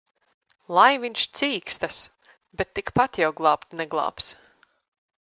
Lai viņš cīkstas! Bet tikpat jau glābt neglābs.